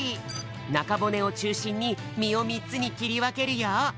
なかぼねをちゅうしんにみをみっつにきりわけるよ。